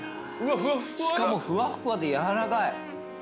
しかもふわっふわでやわらかい。